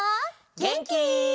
げんき？